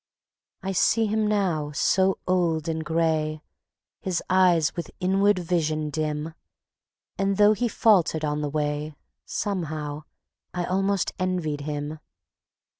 I see him now, so old and gray, His eyes with inward vision dim; And though he faltered on the way, Somehow I almost envied him.